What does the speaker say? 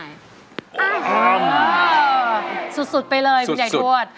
สุดไปเลยคุณยายทวด